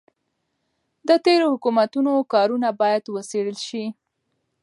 د تېرو حکومتونو کارونه باید وڅیړل شي.